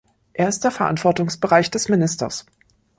Er ist der Verantwortungsbereich des Ministers.